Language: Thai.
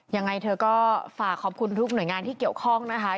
ยังไงเธอก็ฝากขอบคุณทุกหน่วยงานที่เกี่ยวข้องนะคะ